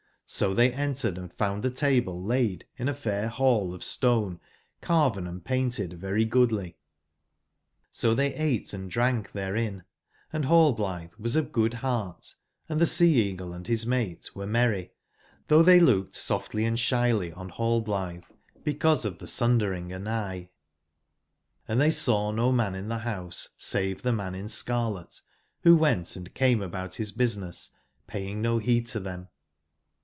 So they entered and found the table laid in a fair hall of stone carven & painted very goodly; so they ate and drank therein, and Hallblithe was of good heart, and the Sea/eagle and his matewere merry, though they looked softly 106 and ebyly on HaUblitbc because of tbc sundering anigb; and tbey saw no man in tbe bouse save tbe man in scarlet, wbo went and came about bis busi ness, paying no beed to tbem.